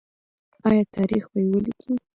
آیا تاریخ به یې ولیکي؟